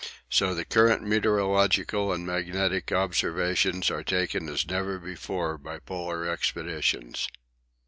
So the current meteorological and magnetic observations are taken as never before by Polar expeditions.